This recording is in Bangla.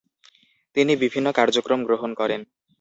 তিনি বিভিন্ন কার্যক্রম গ্রহণ করেন।